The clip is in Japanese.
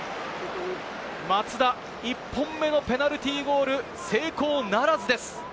松田、１本目のペナルティーゴール、成功ならずです。